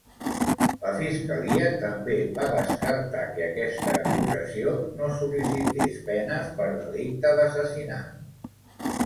La Fiscalia també va descartar que aquesta acusació no sol·licités penes per delicte d'assassinat.